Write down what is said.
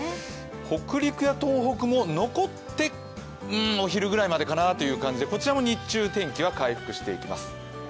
北陸や東北も残ってうんお昼ぐらいまでかなという感じでこちらも日中天気は回復していきます。